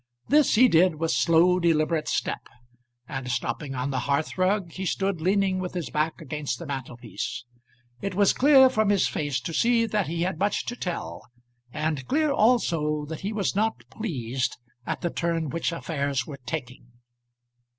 This he did with slow, deliberate step, and stopping on the hearth rug, he stood leaning with his back against the mantelpiece. It was clear from his face to see that he had much to tell, and clear also that he was not pleased at the turn which affairs were taking.